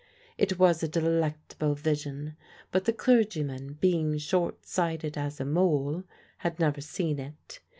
It was a delectable vision; but the clergyman, being short sighted as a mole, had never seen it.